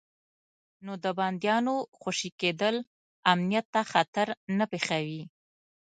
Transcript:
نو د بندیانو خوشي کېدل امنیت ته خطر نه پېښوي.